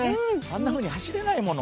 あんなふうに走れないもの。